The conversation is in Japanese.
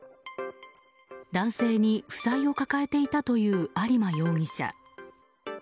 男性に負債を抱えていたという有馬容疑者。